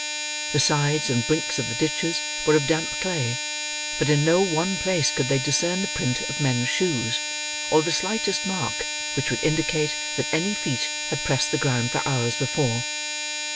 The sides and brinks of the ditches were of damp clay; but in no one place could they discern the print of men's shoes, or the slightest mark which would indicate that any feet had pressed the ground for hours before.